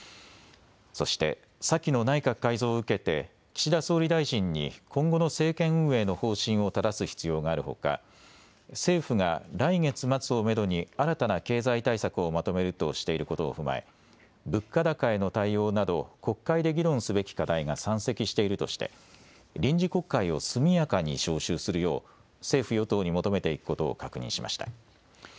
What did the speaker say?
そして先の内閣改造を受けて岸田総理大臣に今後の政権運営の方針をただす必要があるほか政府が来月末をめどに新たな経済対策をまとめるとしていることを踏まえ、物価高への対応など国会で議論すべき課題が山積しているとして臨時国会を速やかに召集するよう政府与党に求めていくことを確認しました。